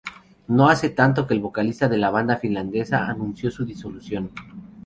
No hace tanto que el vocalista de la banda finlandesa anunció la disolución.